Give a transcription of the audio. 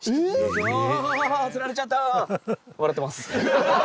あ釣られちゃった。